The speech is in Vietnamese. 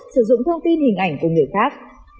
sử dụng thông tin hình ảnh của người khác